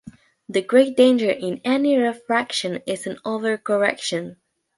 The great danger in any refraction is an overcorrection.